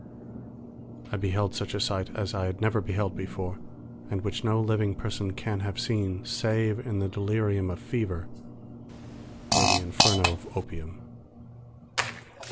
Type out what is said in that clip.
I beheld such a sight as I had never beheld before, and which no living person can have seen save in the delirium of fever or the inferno of opium.